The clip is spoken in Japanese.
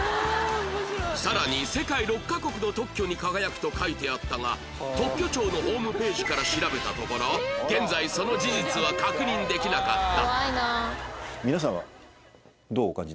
さらに「世界６カ国の特許に輝く」と書いてあったが特許庁のホームページから調べたところ現在その事実は確認できなかった